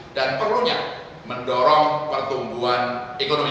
dan perlunya mendorong pertumbuhan ekonomi